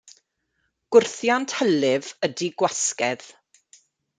Gwrthiant hylif ydy gwasgedd.